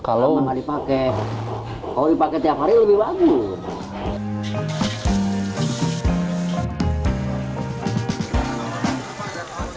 kalau nggak dipakai kalau dipakai tiap hari lebih bagus